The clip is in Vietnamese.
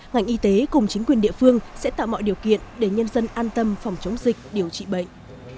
ngành y tế cùng chính quyền địa phương sẽ tạo mọi điều kiện để nhân dân an tâm phòng chống dịch điều trị bệnh